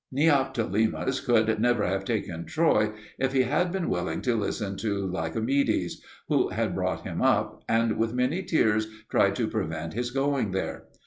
Neoptolemus could never have taken Troy if he had been willing to listen to Lycomedes, who had brought him up, and with many tears tried to prevent his going there.